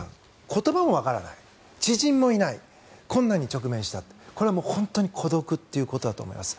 言葉がわからない知人もいない困難に直面したこれは本当に孤独だと思います。